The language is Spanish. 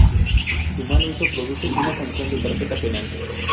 Su mal uso produce una sanción de tarjeta penal.